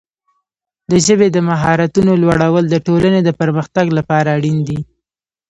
د ژبې د مهارتونو لوړول د ټولنې د پرمختګ لپاره اړین دي.